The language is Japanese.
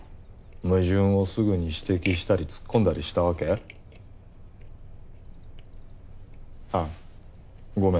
矛盾をすぐに指摘したり突っ込んだりしたわけ？あっごめん。